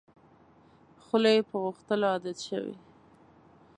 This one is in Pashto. خوله یې په غوښتلو عادت شوې.